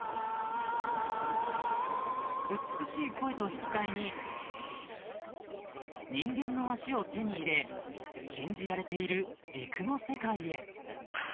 ［美しい声と引き換えに人間の足を手に入れ禁じられている陸の世界へ］